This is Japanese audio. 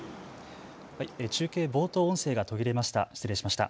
中継、冒頭音声が途切れました。